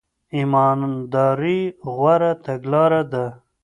ایمانداري غوره تګلاره ده.